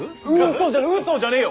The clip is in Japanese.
嘘じゃねえ嘘じゃねえよ！